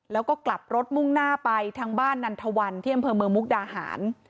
แล้วก็กลับรถมุ่งหน้าไปทางบ้านนันทวันที่อำเภอเมืองมุกดาหาร